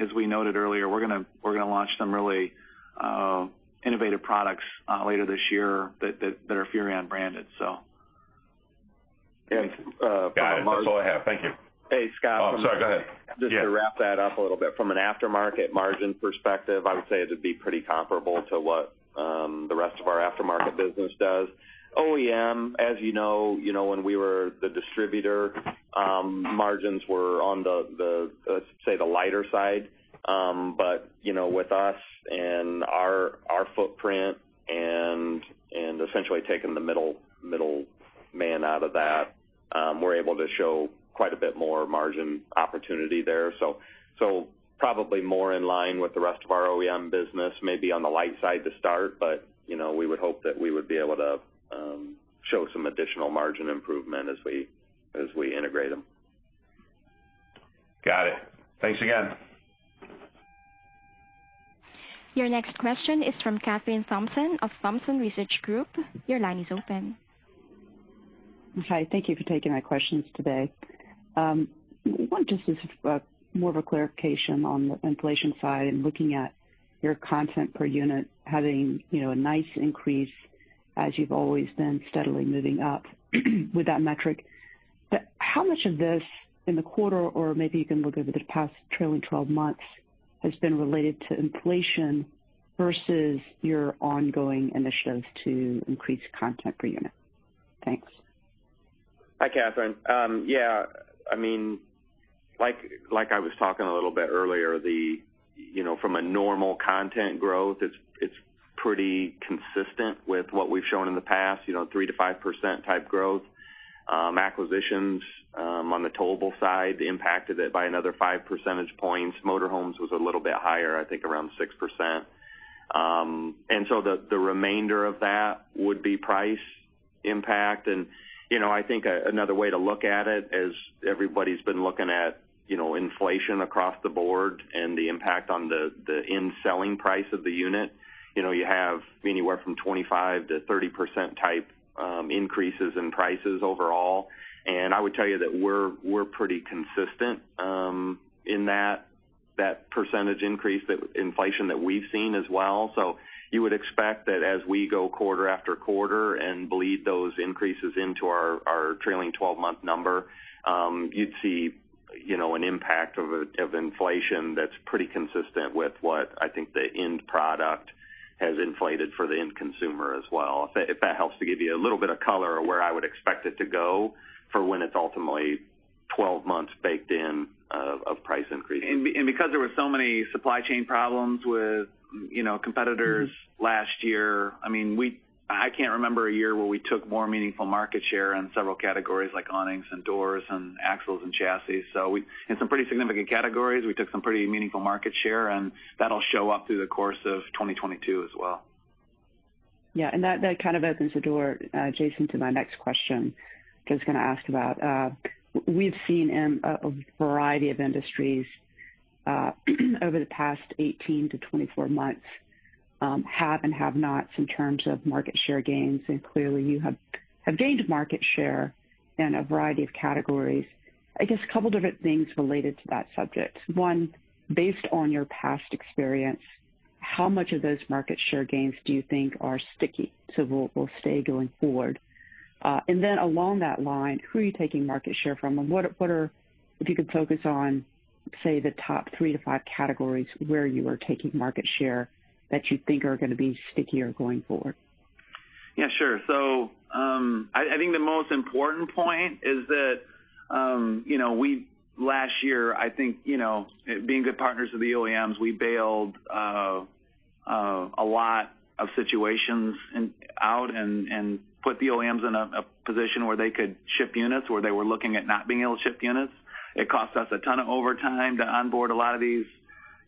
[SPEAKER 3] As we noted earlier, we're gonna launch some really innovative products later this year that are Furrion branded, so.
[SPEAKER 8] Thanks. Got it. That's all I have. Thank you.
[SPEAKER 3] Hey, Scott.
[SPEAKER 8] Oh, I'm sorry. Go ahead. Yeah.
[SPEAKER 3] Just to wrap that up a little bit. From an aftermarket margin perspective, I would say it would be pretty comparable to what the rest of our aftermarket business does. OEM, as you know, when we were the distributor, margins were on the lighter side. You know, with us and our footprint and essentially taking the middleman out of that, we're able to show quite a bit more margin opportunity there. Probably more in line with the rest of our OEM business, maybe on the light side to start. You know, we would hope that we would be able to show some additional margin improvement as we integrate them.
[SPEAKER 8] Got it. Thanks again.
[SPEAKER 1] Your next question is from Kathryn Thompson of Thompson Research Group. Your line is open.
[SPEAKER 9] Hi. Thank you for taking my questions today. One just is more of a clarification on the inflation side and looking at your content per unit having, you know, a nice increase as you've always been steadily moving up with that metric. How much of this in the quarter, or maybe you can look over the past trailing twelve months, has been related to inflation versus your ongoing initiatives to increase content per unit? Thanks.
[SPEAKER 3] Hi, Kathryn. Yeah, I mean, like I was talking a little bit earlier, you know, from a normal content growth, it's pretty consistent with what we've shown in the past, you know, 3%-5% type growth. Acquisitions on the towable side impacted it by another 5 percentage points. Motor homes was a little bit higher, I think around 6%. The remainder of that would be price impact. You know, I think another way to look at it, as everybody's been looking at, you know, inflation across the board and the impact on the end selling price of the unit, you know, you have anywhere from 25%-30% type increases in prices overall. I would tell you that we're pretty consistent in that percentage increase, that inflation that we've seen as well. You would expect that as we go quarter after quarter and bleed those increases into our trailing twelve-month number, you'd see, you know, an impact of inflation that's pretty consistent with what I think the end product has inflated for the end consumer as well. If that helps to give you a little bit of color of where I would expect it to go for when it's ultimately twelve months baked in of price increases. Because there were so many supply chain problems with, you know, competitors last year, I mean, I can't remember a year where we took more meaningful market share in several categories like awnings and doors and axles and chassis. In some pretty significant categories, we took some pretty meaningful market share, and that'll show up through the course of 2022 as well.
[SPEAKER 9] Yeah. That kind of opens the door, Jason, to my next question I was gonna ask about. We've seen in a variety of industries over the past 18-24 months have and have nots in terms of market share gains, and clearly you have gained market share in a variety of categories. I guess a couple different things related to that subject. One, based on your past experience, how much of those market share gains do you think are sticky, so will stay going forward? Then along that line, who are you taking market share from? If you could focus on, say, the top three to five categories where you are taking market share that you think are gonna be stickier going forward?
[SPEAKER 3] Yeah, sure. I think the most important point is that, you know, last year, I think, you know, being good partners with the OEMs, we bailed out a lot of situations and put the OEMs in a position where they could ship units where they were looking at not being able to ship units. It cost us a ton of overtime to onboard a lot of these,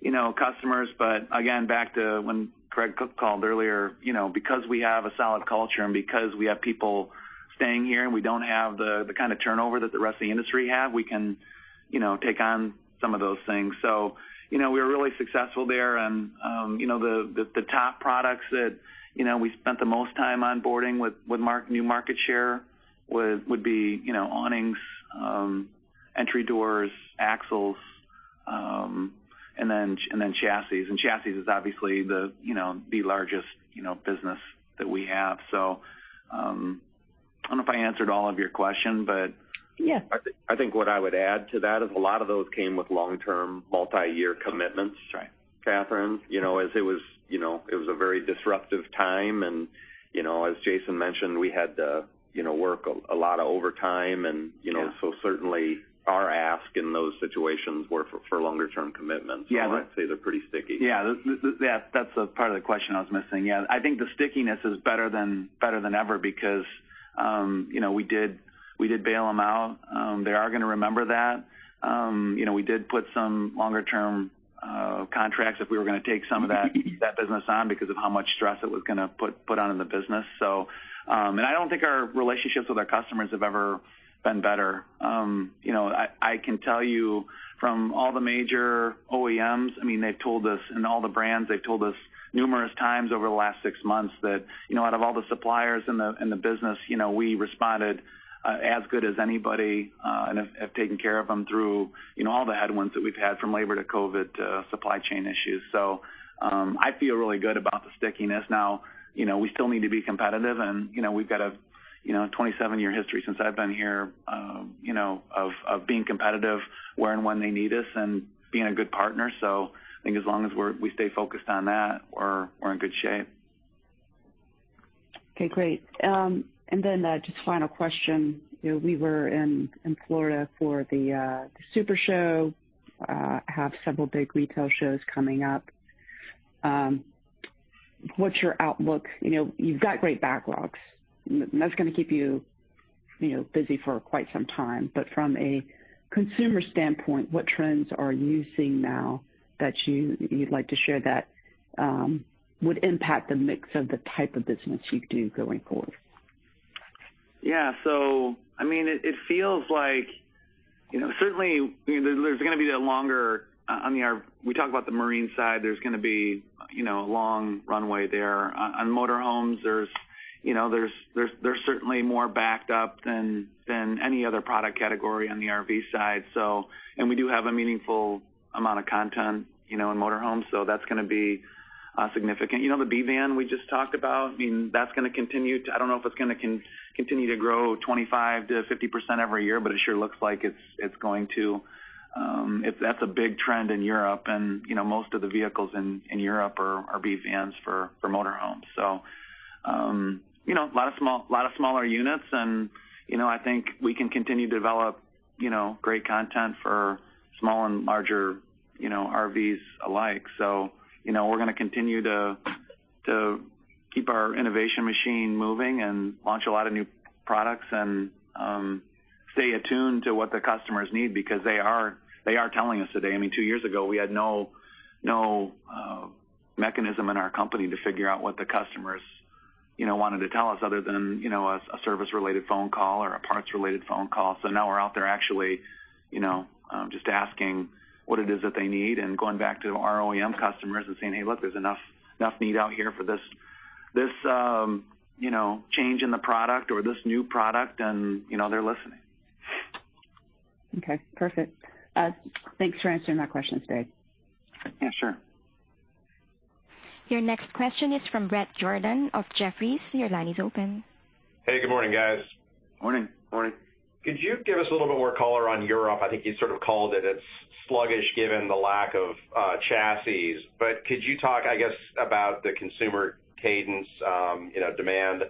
[SPEAKER 3] you know, customers. Again, back to when Craig Kennison called earlier, you know, because we have a solid culture and because we have people staying here and we don't have the kind of turnover that the rest of the industry have, we can, you know, take on some of those things. You know, we're really successful there and, you know, the top products that, you know, we spent the most time onboarding with new market share would be, you know, awnings, entry doors, axles, and then chassis. Chassis is obviously the, you know, the largest, you know, business that we have. I don't know if I answered all of your question, but-
[SPEAKER 9] Yeah.
[SPEAKER 2] I think what I would add to that is a lot of those came with long-term multi-year commitments.
[SPEAKER 3] That's right.
[SPEAKER 2] Kathryn. You know, as it was, you know, it was a very disruptive time and, you know, as Jason mentioned, we had to, you know, work a lot of overtime and
[SPEAKER 3] Yeah
[SPEAKER 2] you know, certainly our ask in those situations were for longer term commitments.
[SPEAKER 3] Yeah.
[SPEAKER 2] I'd say they're pretty sticky.
[SPEAKER 3] Yeah. That's a part of the question I was missing. Yeah. I think the stickiness is better than ever because, you know, we did bail them out. They are gonna remember that. You know, we did put some longer term contracts if we were gonna take some of that business on because of how much stress it was gonna put on the business. I don't think our relationships with our customers have ever been better. You know, I can tell you from all the major OEMs. I mean, they've told us, and all the brands, they've told us numerous times over the last six months that, you know, out of all the suppliers in the business, you know, we responded as good as anybody, and have taken care of them through, you know, all the headwinds that we've had from labor to COVID to supply chain issues. I feel really good about the stickiness. Now, you know, we still need to be competitive and, you know, we've got a 27-year history since I've been here, you know, of being competitive where and when they need us and being a good partner. I think as long as we stay focused on that, we're in good shape.
[SPEAKER 9] Okay, great. Just final question. You know, we were in Florida for the Super Show. Have several big retail shows coming up. What's your outlook? You know, you've got great backlogs and that's gonna keep you busy for quite some time. But from a consumer standpoint, what trends are you seeing now that you'd like to share that would impact the mix of the type of business you do going forward?
[SPEAKER 3] It feels like, you know, certainly there's gonna be a longer runway on the RV. On the marine side, there's gonna be a long runway there. On motor homes, there's certainly more backed up than any other product category on the RV side. We do have a meaningful amount of content, you know, in motor homes, so that's gonna be significant. You know, the B van we just talked about, I mean, that's gonna continue to grow 25%-50% every year, but it sure looks like it's going to. That's a big trend in Europe and, you know, most of the vehicles in Europe are B vans for motor homes. You know, a lot of smaller units and, you know, I think we can continue to develop, you know, great content for small and larger, you know, RVs alike. You know, we're gonna continue to keep our innovation machine moving and launch a lot of new products and stay attuned to what the customers need because they are telling us today. I mean, two years ago, we had no mechanism in our company to figure out what the customers, you know, wanted to tell us other than, you know, a service-related phone call or a parts-related phone call. Now we're out there actually, you know, just asking what it is that they need and going back to our OEM customers and saying, "Hey, look, there's enough need out here for this, you know, change in the product or this new product," and, you know, they're listening.
[SPEAKER 9] Okay, perfect. Thanks for answering my questions, Dave.
[SPEAKER 3] Yeah, sure.
[SPEAKER 1] Your next question is from Bret Jordan of Jefferies. Your line is open.
[SPEAKER 10] Hey, good morning, guys.
[SPEAKER 3] Morning.
[SPEAKER 2] Morning.
[SPEAKER 10] Could you give us a little bit more color on Europe? I think you sort of called it's sluggish given the lack of chassis. But could you talk, I guess, about the consumer cadence, you know, demand?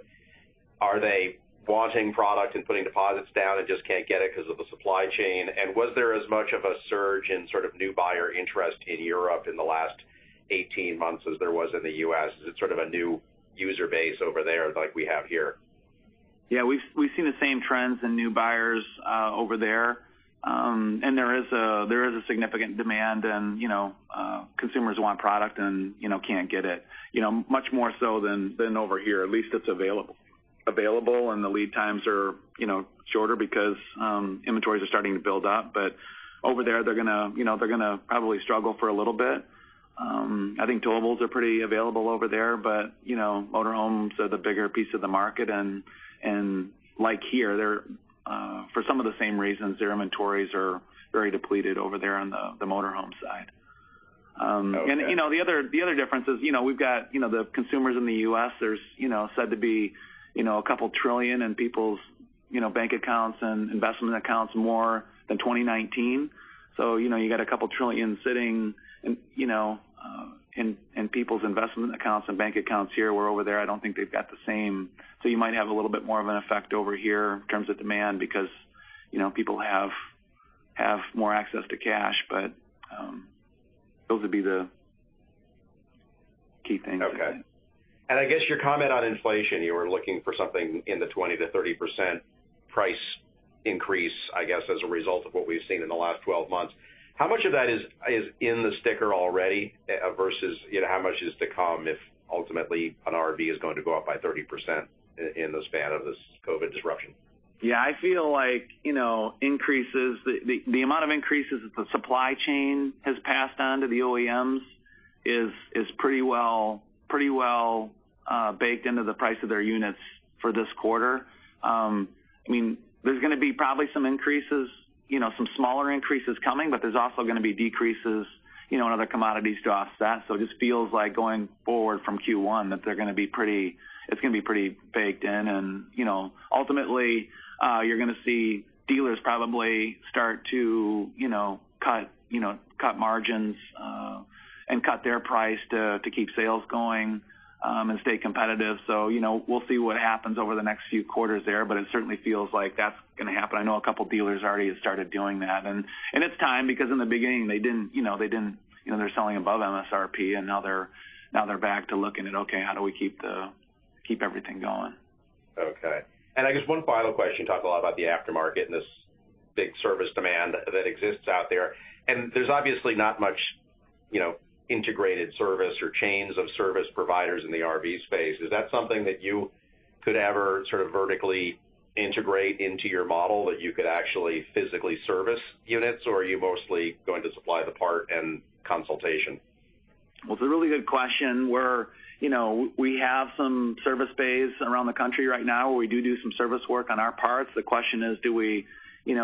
[SPEAKER 10] Are they wanting product and putting deposits down and just can't get it 'cause of the supply chain? And was there as much of a surge in sort of new buyer interest in Europe in the last 18 months as there was in the U.S.? Is it sort of a new user base over there like we have here?
[SPEAKER 3] Yeah. We've seen the same trends in new buyers over there. There is a significant demand and, you know, consumers want product and, you know, can't get it, you know, much more so than over here. At least it's available and the lead times are, you know, shorter because inventories are starting to build up. But over there, they're gonna, you know, probably struggle for a little bit. I think towables are pretty available over there, but, you know, motor homes are the bigger piece of the market. Like here, they're for some of the same reasons, their inventories are very depleted over there on the motor home side.
[SPEAKER 10] Okay.
[SPEAKER 3] You know, the other difference is, you know, we've got, you know, the consumers in the U.S., there's said to be, you know, $2 trillion in people's bank accounts and investment accounts more than 2019. You know, you got $2 trillion sitting in, you know, in people's investment accounts and bank accounts here, where over there I don't think they've got the same. You might have a little bit more of an effect over here in terms of demand because, you know, people have more access to cash. Those would be the key things.
[SPEAKER 10] Okay. I guess your comment on inflation, you were looking for something in the 20%-30% price increase, I guess, as a result of what we've seen in the last 12 months. How much of that is in the sticker already, versus, you know, how much is to come if ultimately an RV is going to go up by 30% in the span of this COVID disruption?
[SPEAKER 3] Yeah. I feel like, you know, the amount of increases that the supply chain has passed on to the OEMs is pretty well baked into the price of their units for this quarter. I mean, there's gonna be probably some increases, you know, some smaller increases coming, but there's also gonna be decreases, you know, in other commodities to offset. It just feels like going forward from Q1 that it's gonna be pretty baked in. You know, ultimately, you're gonna see dealers probably start to cut margins and cut their price to keep sales going and stay competitive. You know, we'll see what happens over the next few quarters there, but it certainly feels like that's gonna happen. I know a couple dealers already have started doing that. It's time because in the beginning, they didn't, you know, they didn't. You know, they're selling above MSRP, and now they're back to looking at, okay, how do we keep everything going?
[SPEAKER 10] Okay. I guess one final question. You talked a lot about the aftermarket and this big service demand that exists out there. There's obviously not much, you know, integrated service or chains of service providers in the RV space. Is that something that you could ever sort of vertically integrate into your model, that you could actually physically service units, or are you mostly going to supply the part and consultation?
[SPEAKER 3] Well, it's a really good question. You know, we have some service base around the country right now, where we do some service work on our parts. The question is,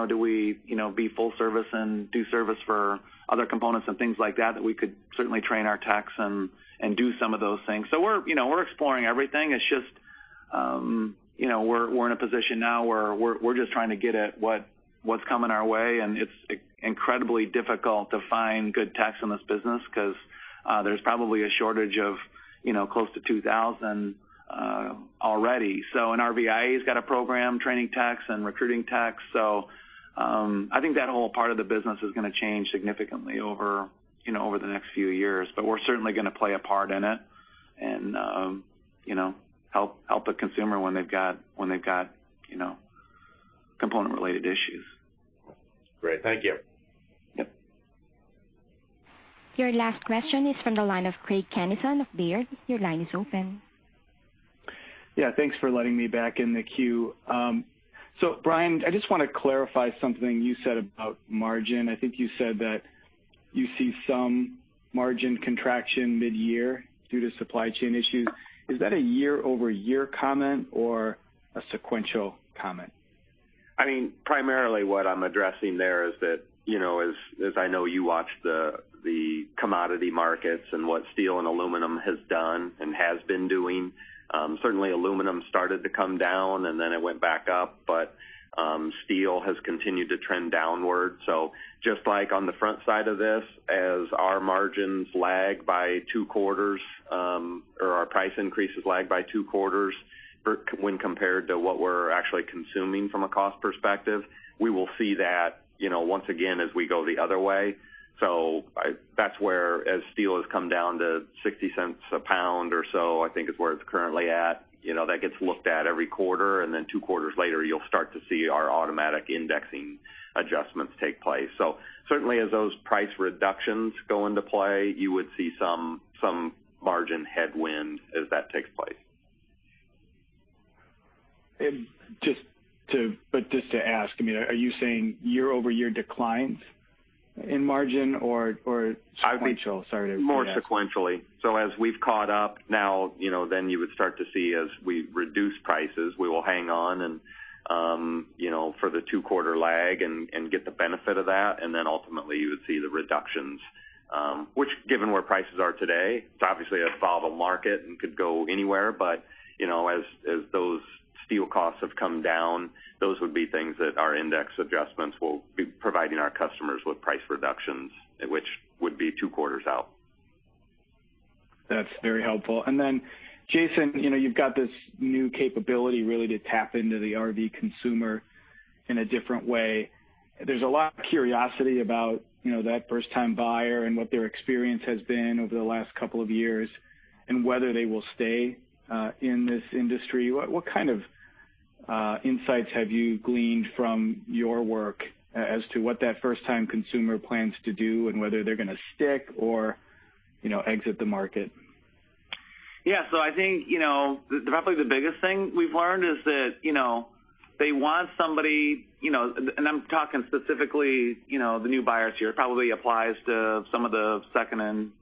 [SPEAKER 3] do we you know, be full service and do service for other components and things like that we could certainly train our techs and do some of those things? You know, we're exploring everything. It's just, you know, we're in a position now where we're just trying to get at what's coming our way. It's incredibly difficult to find good techs in this business 'cause there's probably a shortage of, you know, close to 2,000 already. RVIA's got a program, training techs and recruiting techs. I think that whole part of the business is gonna change significantly over, you know, over the next few years. We're certainly gonna play a part in it and, you know, help the consumer when they've got, you know, component-related issues.
[SPEAKER 10] Great. Thank you.
[SPEAKER 3] Yep.
[SPEAKER 1] Your last question is from the line of Craig Kennison of Baird. Your line is open.
[SPEAKER 6] Yeah. Thanks for letting me back in the queue. Brian, I just wanna clarify something you said about margin. I think you said that you see some margin contraction mid-year due to supply chain issues. Is that a year-over-year comment or a sequential comment?
[SPEAKER 2] I mean, primarily what I'm addressing there is that, you know, as I know you watch the commodity markets and what steel and aluminum has done and has been doing. Certainly aluminum started to come down, and then it went back up. Steel has continued to trend downward. Just like on the front side of this, as our margins lag by two quarters, or our price increases lag by two quarters when compared to what we're actually consuming from a cost perspective, we will see that, you know, once again as we go the other way. That's where as steel has come down to $0.60 a pound or so, I think is where it's currently at, you know, that gets looked at every quarter. Then two quarters later, you'll start to see our automatic indexing adjustments take place. Certainly as those price reductions go into play, you would see some margin headwind as that takes place.
[SPEAKER 6] Just to ask, I mean, are you saying year-over-year declines in margin or sequential? Sorry to-
[SPEAKER 2] More sequentially. As we've caught up now, you know, then you would start to see as we reduce prices, we will hang on and, you know, for the two-quarter lag and get the benefit of that. Then ultimately, you would see the reductions, which given where prices are today, it's obviously a volatile market and could go anywhere. You know, as those steel costs have come down, those would be things that our index adjustments will be providing our customers with price reductions, which would be two quarters out.
[SPEAKER 6] That's very helpful. Then, Jason, you know, you've got this new capability really to tap into the RV consumer in a different way. There's a lot of curiosity about, you know, that first-time buyer and what their experience has been over the last couple of years and whether they will stay in this industry. What kind of insights have you gleaned from your work as to what that first-time consumer plans to do and whether they're gonna stick or, you know, exit the market?
[SPEAKER 3] Yeah. I think, you know, probably the biggest thing we've learned is that, you know, they want somebody, you know, and I'm talking specifically, you know, the new buyers here, it probably applies to some of the second and,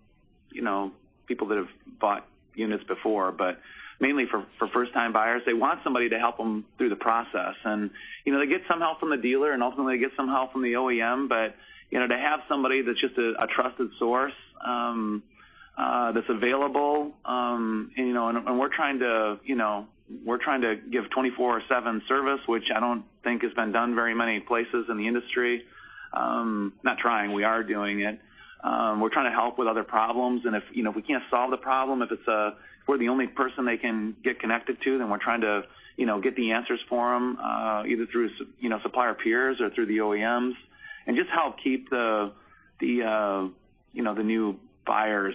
[SPEAKER 3] you know, people that have bought units before, but mainly for first-time buyers. They want somebody to help them through the process. You know, they get some help from the dealer, and ultimately they get some help from the OEM, but, you know, to have somebody that's just a trusted source, that's available, and, you know, and we're trying to give 24/7 service, which I don't think has been done very many places in the industry. Not trying, we are doing it. We're trying to help with other problems and if, you know, if we can't solve the problem, if it's we're the only person they can get connected to, then we're trying to, you know, get the answers for them, either through supplier peers or through the OEMs. Just help keep the, you know, the new buyers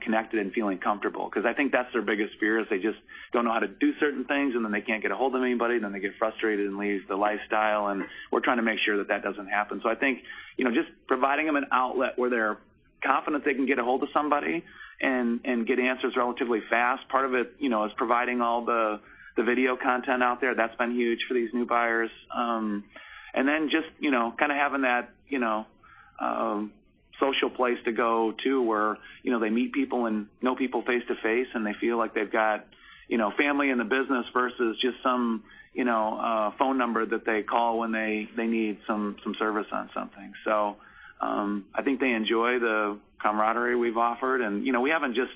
[SPEAKER 3] connected and feeling comfortable 'cause I think that's their biggest fear, is they just don't know how to do certain things, and then they can't get ahold of anybody, then they get frustrated and leave the lifestyle, and we're trying to make sure that that doesn't happen. I think, you know, just providing them an outlet where they're confident they can get ahold of somebody and get answers relatively fast. Part of it, you know, is providing all the video content out there. That's been huge for these new buyers. Just you know kinda having that you know social place to go to where you know they meet people and know people face to face, and they feel like they've got you know family in the business versus just some you know phone number that they call when they need some service on something. I think they enjoy the camaraderie we've offered. You know, we haven't just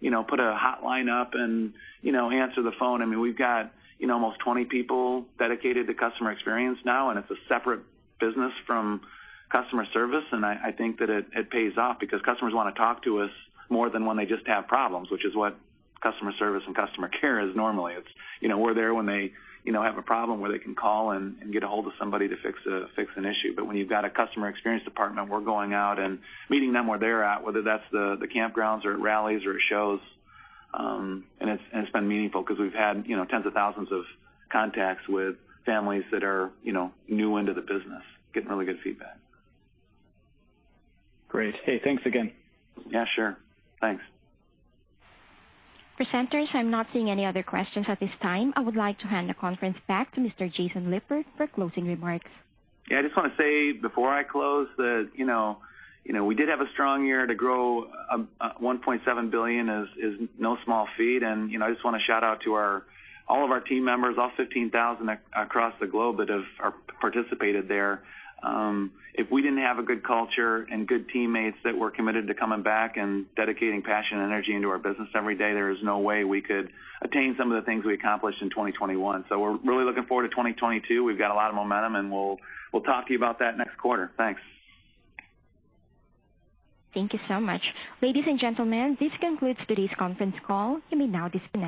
[SPEAKER 3] you know put a hotline up and you know answer the phone. I mean, we've got you know almost 20 people dedicated to customer experience now, and it's a separate business from customer service. I think that it pays off because customers wanna talk to us more than when they just have problems, which is what customer service and customer care is normally. It's, you know, we're there when they, you know, have a problem where they can call and get ahold of somebody to fix an issue. But when you've got a customer experience department, we're going out and meeting them where they're at, whether that's the campgrounds or at rallies or at shows. It's been meaningful 'cause we've had, you know, tens of thousands of contacts with families that are, you know, new into the business, getting really good feedback.
[SPEAKER 6] Great. Hey, thanks again.
[SPEAKER 3] Yeah, sure. Thanks.
[SPEAKER 1] Presenters, I'm not seeing any other questions at this time. I would like to hand the conference back to Mr. Jason Lippert for closing remarks.
[SPEAKER 3] Yeah, I just wanna say before I close that, you know, we did have a strong year. To grow $1.7 billion is no small feat. You know, I just wanna shout out to all of our team members, all 15,000 across the globe that have participated there. If we didn't have a good culture and good teammates that were committed to coming back and dedicating passion and energy into our business every day, there is no way we could attain some of the things we accomplished in 2021. We're really looking forward to 2022. We've got a lot of momentum, and we'll talk to you about that next quarter. Thanks.
[SPEAKER 1] Thank you so much. Ladies and gentlemen, this concludes today's conference call. You may now disconnect.